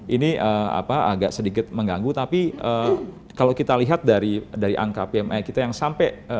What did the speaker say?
ini agak sedikit mengganggu tapi kalau kita lihat dari angka pmi kita yang sampai